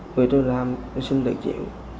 vì tôi làm tôi xin được chịu